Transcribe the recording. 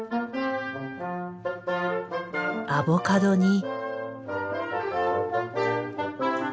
アボカドに。